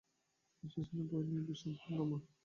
ষ্টেশনে বই নিয়ে বিষম হাঙ্গামা।